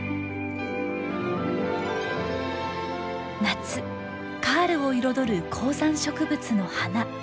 夏カールを彩る高山植物の花。